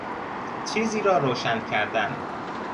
چیزی را روشن کردن